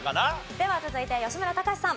では続いて吉村崇さん。